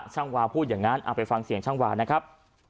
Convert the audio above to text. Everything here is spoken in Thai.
วาพูดอย่างนั้นเอาไปฟังเสียงช่างวานะครับ